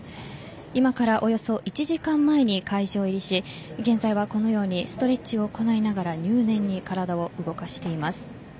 今からおよそ１時間前に会場入りし現在はこのようにストレッチを行いながら入念に体を動かしています。